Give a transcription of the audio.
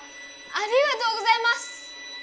ありがとうございます！